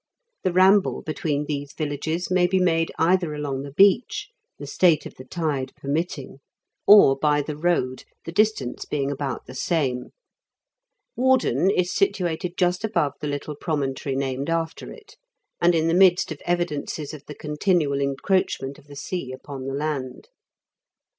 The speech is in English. The ramble between these villages may be made either along the beach (the state of the tide permitting) or by the road, the distance being about the same. Warden is situated just above the little promontory named after it, and in the midst of evidences of the continual encroachment of the sea upon the land.